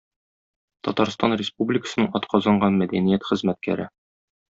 Татарстан Республикасының атказанган мәдәният хезмәткәре.